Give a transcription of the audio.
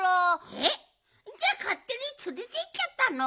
えっ？じゃあかってにつれていっちゃったの？